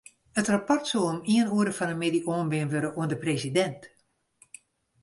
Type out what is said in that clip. It rapport soe om ien oere fan 'e middei oanbean wurde oan de presidint.